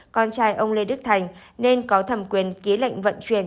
con trai ông lê đức thành nên có thẩm quyền ký lệnh vận chuyển